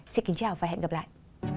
xin kính chào và hẹn gặp lại